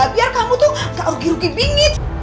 biar kamu tuh gak rugi rugi dingin